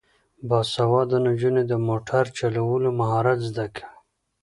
باسواده نجونې د موټر چلولو مهارت زده کوي.